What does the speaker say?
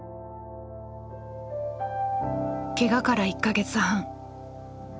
ケガから１か月半。